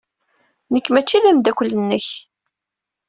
Nekk maci d ameddakel-nnek.